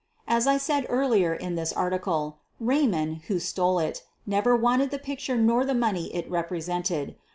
As I said earlier in this article, Eaymond, who stole it, neither wanted the picture nor the money it represented.